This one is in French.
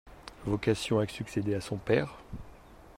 Vocation à succéder à son père ?